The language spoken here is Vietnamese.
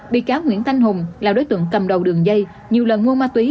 bị cáo nguyễn thanh hùng là đối tượng cầm đầu đường dây nhiều lần mua ma túy